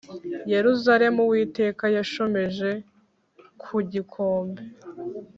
Yerusalemu Uwiteka yashomeje ku gikombe